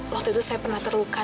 waktu itu saya pernah terluka